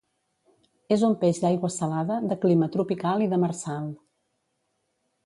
És un peix d'aigua salada, de clima tropical i demersal.